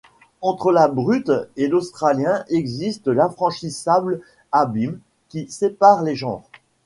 Entre la brute et l’Australien existe l’infranchissable abîme qui sépare les genres.